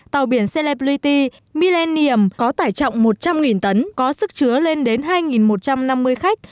tàu biển celplueti milaniem có tải trọng một trăm linh tấn có sức chứa lên đến hai một trăm năm mươi khách